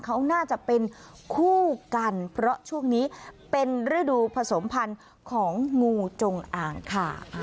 เขาน่าจะเป็นคู่กันเพราะช่วงนี้เป็นฤดูผสมพันธุ์ของงูจงอ่างค่ะ